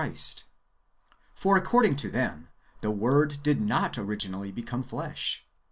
Christ. For, according to tliem, the Word did not originally become flesh.